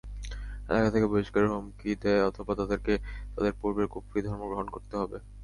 এলাকা থেকে বহিষ্কারের হুমকি দেয় অথবা তাদেরকে তাদের পূর্বের কুফরী ধর্ম গ্রহণ করতে হবে।